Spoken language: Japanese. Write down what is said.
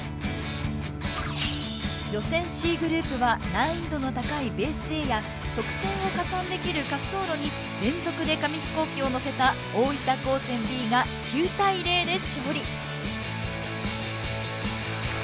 予選Ｃグループは難易度の高いベースＡや得点を加算できる滑走路に連続で紙飛行機をのせた大分高専Ｂが９対０で勝利。